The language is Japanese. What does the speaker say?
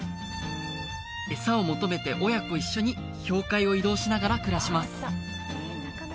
餌を求めて親子一緒に氷海を移動しながら暮らします